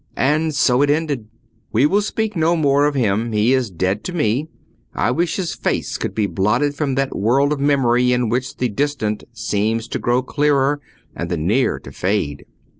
And so it ended. We will speak no more of him: he is dead to me. I wish his face could be blotted from that world of memory in which the distant seems to grow clearer and the near to fade."